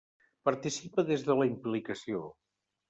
Participa des de la implicació.